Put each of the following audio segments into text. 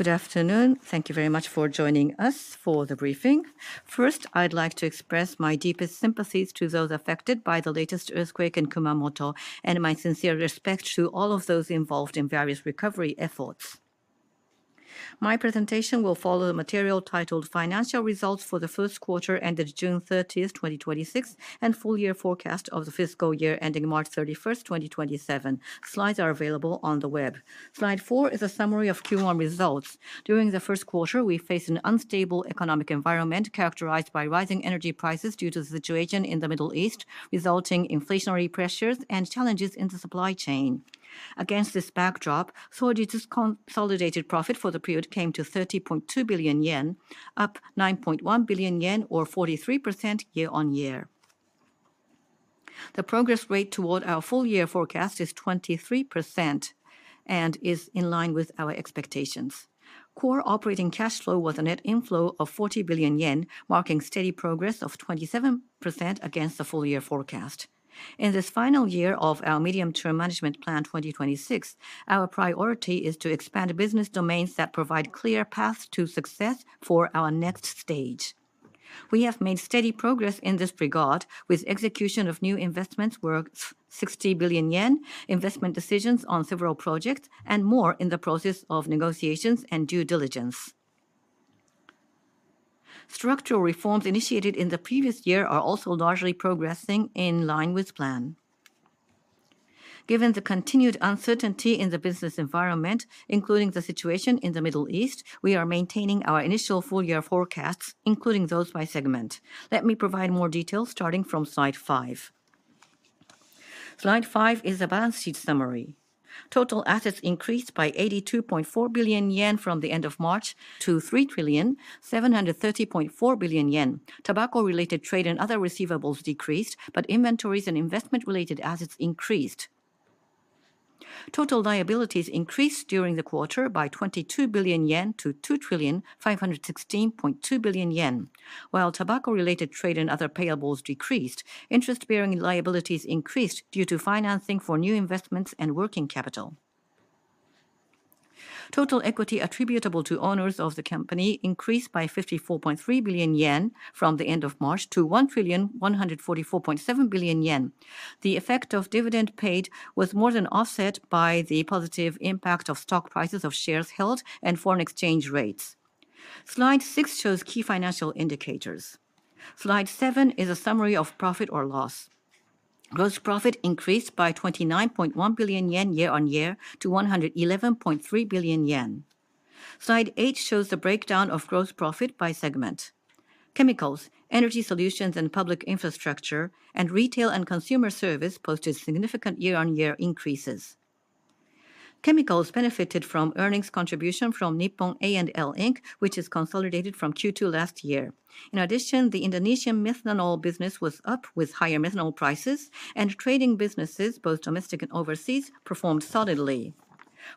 Good afternoon. Thank you very much for joining us for the briefing. First, I'd like to express my deepest sympathies to those affected by the latest earthquake in Kumamoto, and my sincere respect to all of those involved in various recovery efforts. My presentation will follow the material titled Financial Results for the First Quarter ended June 30th, 2026, and Full Year Forecast of the Fiscal Year ending March 31st, 2027. Slides are available on the web. Slide four is a summary of Q1 results. During the first quarter, we faced an unstable economic environment characterized by rising energy prices due to the situation in the Middle East, resulting inflationary pressures and challenges in the supply chain. Against this backdrop, Sojitz's consolidated profit for the period came to 30.2 billion yen, up 9.1 billion yen, or 43% year-on-year. The progress rate toward our full-year forecast is 23% and is in line with our expectations. core operating cash flow was a net inflow of 40 billion yen, marking steady progress of 27% against the full-year forecast. In this final year of our Medium-term Management Plan 2026, our priority is to expand business domains that provide clear paths to success for our next stage. We have made steady progress in this regard, with execution of new investments worth 60 billion yen, investment decisions on several projects, and more in the process of negotiations and due diligence. Structural reforms initiated in the previous year are also largely progressing in line with plan. Given the continued uncertainty in the business environment, including the situation in the Middle East, we are maintaining our initial full-year forecasts, including those by segment. Let me provide more details starting from Slide five. Slide five is a balance sheet summary. Total assets increased by 82.4 billion yen from the end of March to 3,730.4 billion yen. Tobacco-related trade and other receivables decreased, but inventories and investment-related assets increased. Total liabilities increased during the quarter by 22 billion yen to 2,516.2 billion yen. While tobacco-related trade and other payables decreased, interest-bearing liabilities increased due to financing for new investments and working capital. Total equity attributable to owners of the company increased by 54.3 billion yen from the end of March to 1,144.7 billion yen. The effect of dividend paid was more than offset by the positive impact of stock prices of shares held and foreign exchange rates. Slide six shows key financial indicators. Slide seven is a summary of profit or loss. Gross profit increased by 29.1 billion yen year-on-year to 111.3 billion yen. Slide eight shows the breakdown of gross profit by segment. Chemicals, Energy Solutions & Public Infrastructure, and Retail & Consumer Service posted significant year-on-year increases. Chemicals benefited from earnings contribution from NIPPON A&L INC., which is consolidated from Q2 last year. In addition, the Indonesian methanol business was up with higher methanol prices, and trading businesses, both domestic and overseas, performed solidly.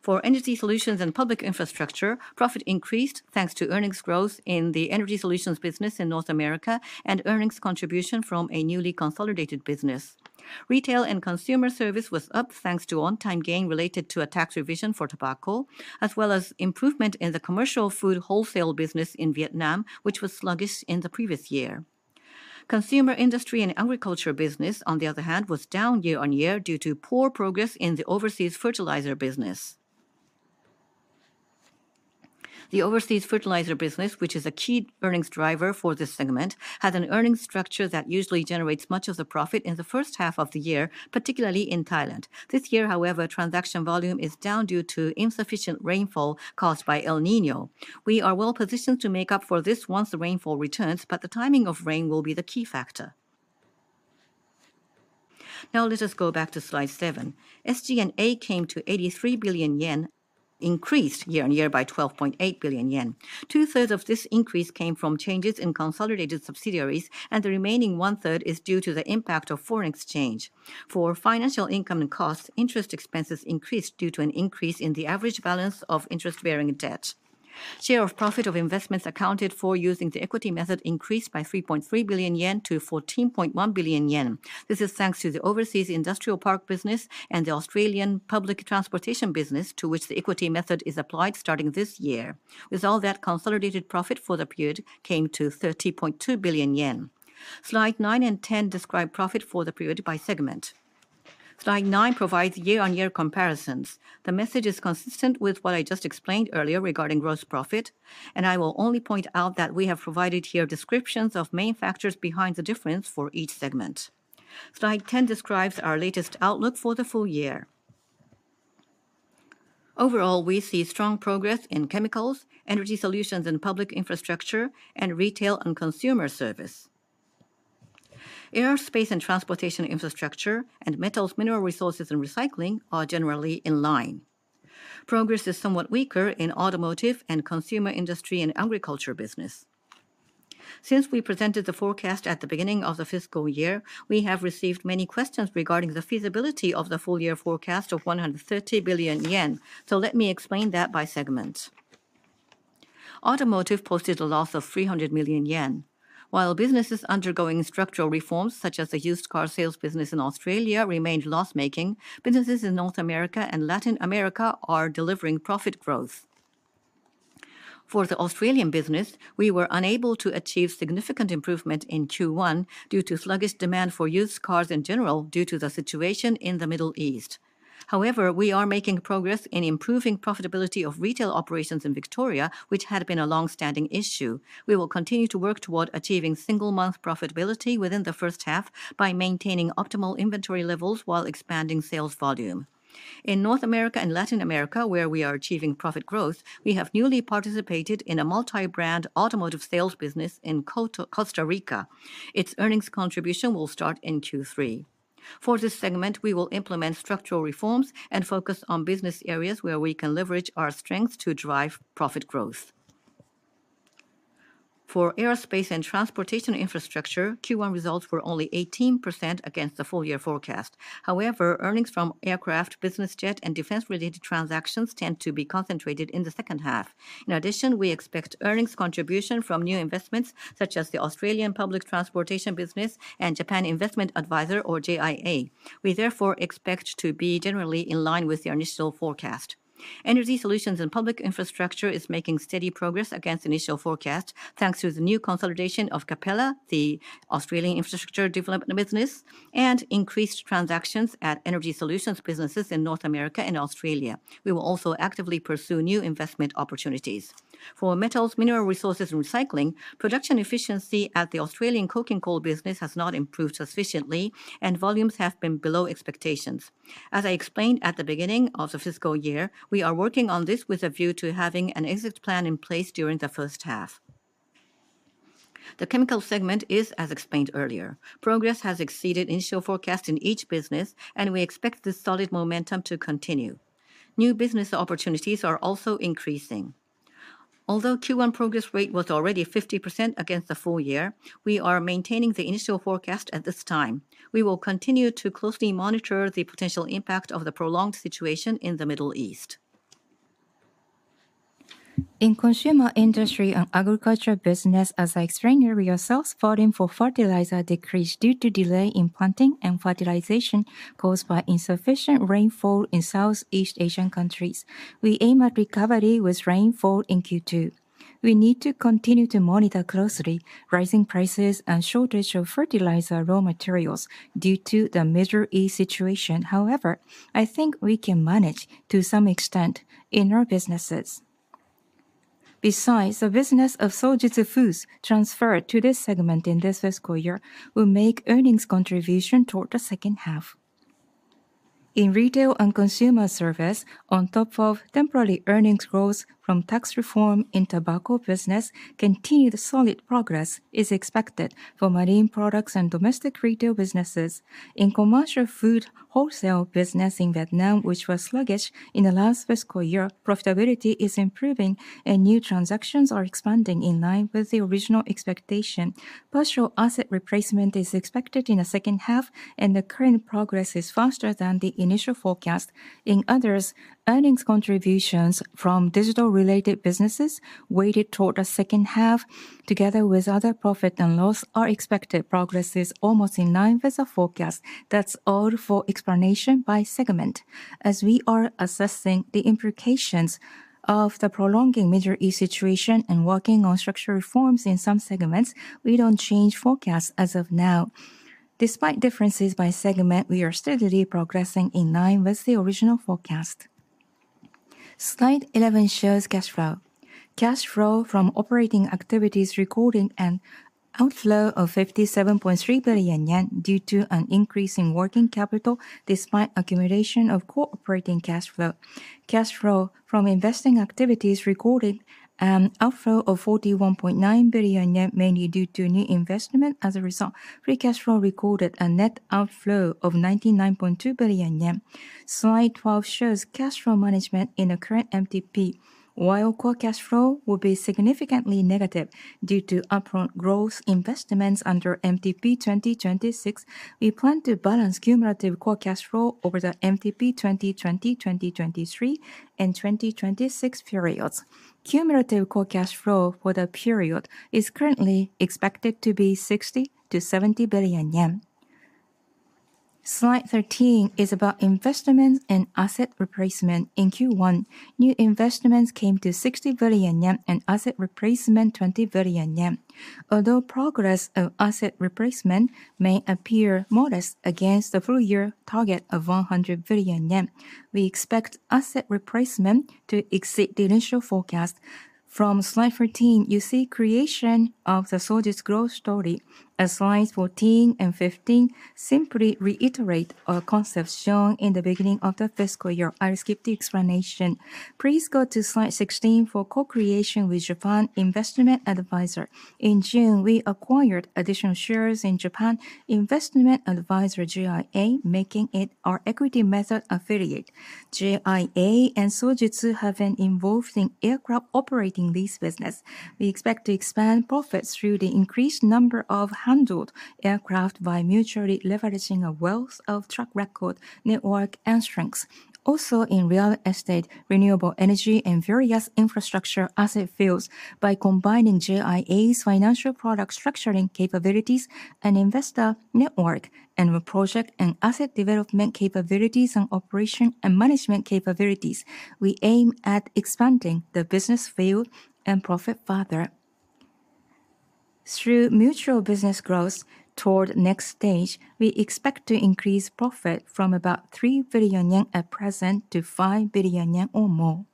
For Energy Solutions & Public Infrastructure, profit increased thanks to earnings growth in the energy solutions business in North America and earnings contribution from a newly consolidated business. Retail & Consumer Service was up thanks to one-time gain related to a tax revision for tobacco, as well as improvement in the commercial food wholesale business in Vietnam, which was sluggish in the previous year. Consumer Industry & Agriculture Business, on the other hand, was down year-on-year due to poor progress in the overseas fertilizer business. The overseas fertilizer business, which is a key earnings driver for this segment, has an earnings structure that usually generates much of the profit in the first half of the year, particularly in Thailand. This year, however, transaction volume is down due to insufficient rainfall caused by El Niño. We are well positioned to make up for this once the rainfall returns, but the timing of rain will be the key factor. Now let us go back to slide seven. SG&A came to 83 billion yen, increased year-on-year by 12.8 billion yen. 2/3 of this increase came from changes in consolidated subsidiaries, and the remaining 1/3 is due to the impact of foreign exchange. For financial income and costs, interest expenses increased due to an increase in the average balance of interest-bearing debt. Share of profit of investments accounted for using the equity method increased by 3.3 billion-14.1 billion yen. This is thanks to the overseas industrial park business and the Australian public transportation business, to which the equity method is applied starting this year. With all that, consolidated profit for the period came to 30.2 billion yen. Slide nine and 10 describe profit for the period by segment. Slide nine provides year-on-year comparisons. The message is consistent with what I just explained earlier regarding gross profit, and I will only point out that we have provided here descriptions of main factors behind the difference for each segment. Slide 10 describes our latest outlook for the full year. Overall, we see strong progress in Chemicals, Energy Solutions & Public Infrastructure, and Retail & Consumer Service. Aerospace & Transportation Infrastructure and Metals, Mineral Resources & Recycling are generally in line. Progress is somewhat weaker in Automotive and Consumer Industry & Agriculture Business. Since we presented the forecast at the beginning of the fiscal year, we have received many questions regarding the feasibility of the full year forecast of 130 billion yen. So let me explain that by segment. Automotive posted a loss of 300 million yen. While businesses undergoing structural reforms, such as the used car sales business in Australia, remained loss-making, businesses in North America and Latin America are delivering profit growth. For the Australian business, we were unable to achieve significant improvement in Q1 due to sluggish demand for used cars in general due to the situation in the Middle East. However, we are making progress in improving profitability of retail operations in Victoria, which had been a long-standing issue. We will continue to work toward achieving single-month profitability within the first half by maintaining optimal inventory levels while expanding sales volume. In North America and Latin America, where we are achieving profit growth, we have newly participated in a multi-brand automotive sales business in Costa Rica. Its earnings contribution will start in Q3. For this segment, we will implement structural reforms and focus on business areas where we can leverage our strengths to drive profit growth. For Aerospace & Transportation Infrastructure, Q1 results were only 18% against the full-year forecast. However, earnings from aircraft, business jet, and defense-related transactions tend to be concentrated in the second half. In addition, we expect earnings contribution from new investments such as the Australian public transportation business and Japan Investment Adviser, or JIA. We therefore expect to be generally in line with the initial forecast. Energy Solutions & Public Infrastructure is making steady progress against initial forecast, thanks to the new consolidation of Capella Capital, the Australian infrastructure development business, and increased transactions at energy solutions businesses in North America and Australia. We will also actively pursue new investment opportunities. For Metals, Mineral Resources & Recycling, production efficiency at the Australian coking coal business has not improved sufficiently, and volumes have been below expectations. As I explained at the beginning of the fiscal year, we are working on this with a view to having an exit plan in place during the first half. The Chemicals segment is as explained earlier. Progress has exceeded initial forecast in each business, and we expect this solid momentum to continue. New business opportunities are also increasing. Although Q1 progress rate was already 50% against the full year, we are maintaining the initial forecast at this time. We will continue to closely monitor the potential impact of the prolonged situation in the Middle East. In Consumer Industry & Agriculture Business, as I explained earlier, sales volume for fertilizer decreased due to delay in planting and fertilization caused by insufficient rainfall in Southeast Asian countries. We aim at recovery with rainfall in Q2. We need to continue to monitor closely rising prices and shortage of fertilizer raw materials due to the Middle East situation. However, I think we can manage to some extent in our businesses. Besides, the business of Sojitz Foods transferred to this segment in this fiscal year will make earnings contribution toward the second half. In Retail & Consumer Service, on top of temporary earnings growth from tax reform in tobacco business, continued solid progress is expected for marine products and domestic retail businesses. In commercial food wholesale business in Vietnam, which was sluggish in the last fiscal year, profitability is improving, and new transactions are expanding in line with the original expectation. Partial asset replacement is expected in the second half, and the current progress is faster than the initial forecast. In others, earnings contributions from digital-related businesses weighted toward the second half, together with other profit and loss are expected. Progress is almost in line with the forecast. That's all for explanation by segment. As we are assessing the implications of the prolonging Middle East situation and working on structural reforms in some segments, we don't change forecast as of now. Despite differences by segment, we are steadily progressing in line with the original forecast. Slide 11 shows cash flow. Cash flow from operating activities recorded an outflow of 57.3 billion yen due to an increase in working capital despite accumulation of core operating cash flow. Cash flow from investing activities recorded an outflow of 41.9 billion yen, mainly due to new investment. As a result, free cash flow recorded a net outflow of 99.2 billion yen. Slide 12 shows cash flow management in the current MTP. While core cash flow will be significantly negative due to upfront growth investments under MTP 2026, we plan to balance cumulative core cash flow over the MTP 2020, 2023, and 2026 periods. Cumulative core cash flow for the period is currently expected to be 60 billion-70 billion yen. Slide 13 is about investment and asset replacement. In Q1, new investments came to 60 billion yen and asset replacement 20 billion yen. Although progress of asset replacement may appear modest against the full-year target of 100 billion yen, we expect asset replacement to exceed the initial forecast. From Slide 14, you see creation of the Sojitz growth story, as Slides 14 and 15 simply reiterate our concepts shown in the beginning of the fiscal year. I'll skip the explanation. Please go to Slide 16 for co-creation with Japan Investment Adviser. In June, we acquired additional shares in Japan Investment Adviser, JIA, making it our equity method affiliate. JIA and Sojitz have been involved in aircraft operating lease business. We expect to expand profits through the increased number of handled aircraft by mutually leveraging a wealth of track record, network, and strengths. Also in real estate, renewable energy, and various infrastructure asset fields by combining JIA's financial product structuring capabilities and investor network, and with project and asset development capabilities and operation and management capabilities. We aim at expanding the business field and profit further. Through mutual business growth toward next stage, we expect to increase profit from about 3 billion yen at present to 5 billion yen or more.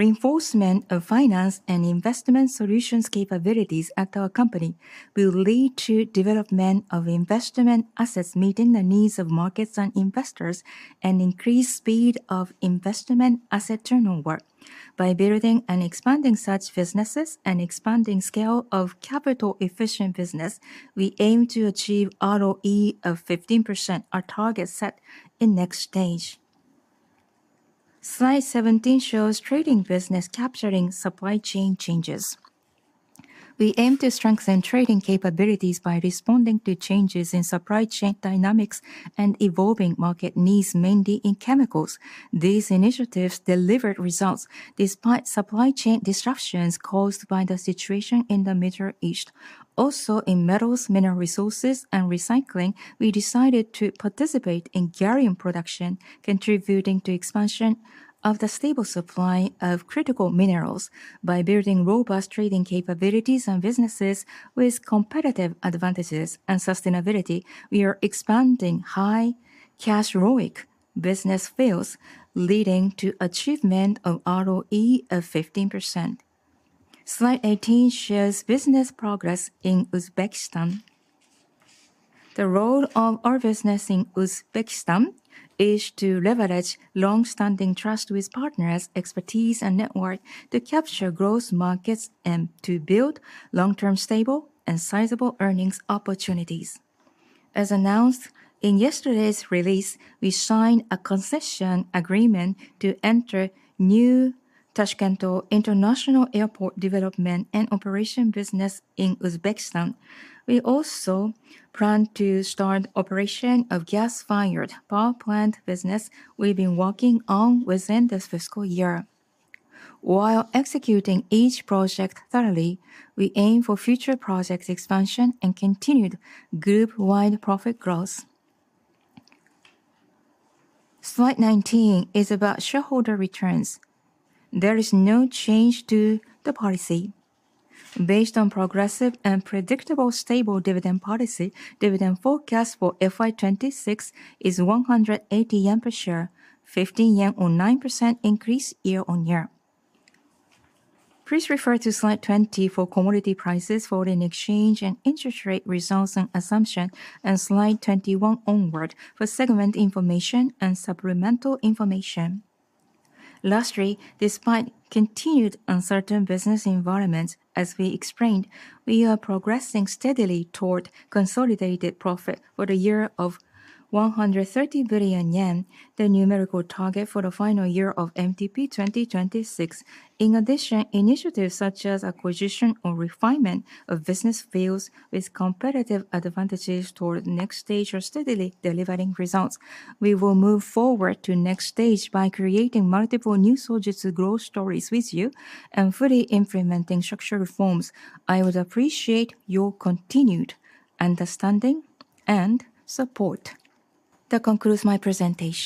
Reinforcement of finance and investment solutions capabilities at our company will lead to development of investment assets meeting the needs of markets and investors, and increased speed of investment asset turnover. By building and expanding such businesses and expanding scale of capital-efficient business, we aim to achieve ROE of 15%, our target set in next stage. Slide 17 shows trading business capturing supply chain changes. We aim to strengthen trading capabilities by responding to changes in supply chain dynamics and evolving market needs, mainly in Chemicals. These initiatives delivered results despite supply chain disruptions caused by the situation in the Middle East. Also, in Metals, Mineral Resources & Recycling, we decided to participate in gallium production, contributing to expansion of the stable supply of critical minerals by building robust trading capabilities and businesses with competitive advantages and sustainability. We are expanding high cash ROIC business fields, leading to achievement of ROE of 15%. Slide 18 shares business progress in Uzbekistan. The role of our business in Uzbekistan is to leverage long-standing trust with partners, expertise, and network to capture growth markets and to build long-term stable and sizable earnings opportunities. As announced in yesterday's release, we signed a concession agreement to enter new Tashkent International Airport development and operation business in Uzbekistan. We also plan to start operation of gas-fired power plant business we've been working on within this fiscal year. While executing each project thoroughly, we aim for future project expansion and continued group-wide profit growth. Slide 19 is about shareholder returns. There is no change to the policy. Based on progressive and predictable stable dividend policy, dividend forecast for FY 2026 is 180 yen per share, 15 yen or 9% increase year-on-year. Please refer to Slide 20 for commodity prices, foreign exchange, and interest rate results and assumption, and Slide 21 onward for segment information and supplemental information. Despite continued uncertain business environments, as we explained, we are progressing steadily toward consolidated profit for the year of 130 billion yen, the numerical target for the final year of MTP 2026. Initiatives such as acquisition or refinement of business fields with competitive advantages toward next stage are steadily delivering results. We will move forward to next stage by creating multiple new Sojitz growth stories with you and fully implementing structural reforms. I would appreciate your continued understanding and support. That concludes my presentation.